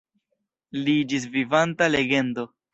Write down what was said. Li iĝis vivanta legendo.